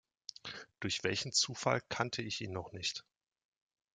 Durch welchen Zufall kannte ich ihn noch nicht?